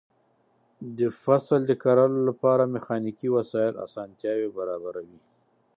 د فصل د کرلو لپاره میخانیکي وسایل اسانتیاوې برابروي.